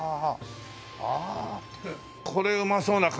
ああこれうまそうな感じだ。